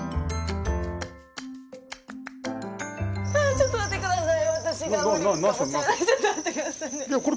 ああちょっと待ってください。